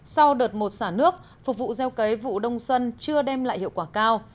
sau đợt một xả nước phục vụ gieo cấy vụ đông xuân chưa đem lại hiệu quả cao